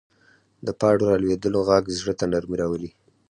د پاڼو رالوېدو غږ زړه ته نرمي راولي